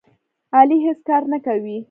علي هېڅ کار نه کوي.